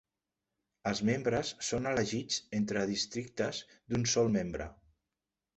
Els membres són elegits entre districtes d'un sol membre.